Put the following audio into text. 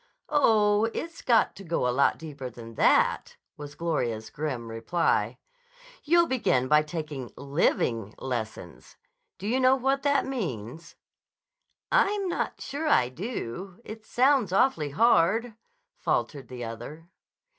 "Oh, it's got to go a lot deeper than that," was Gloria's grim reply. "You'll begin by taking living lessons. Do you know what that means?" "I'm not sure I do. It sounds awfully hard," faltered the other.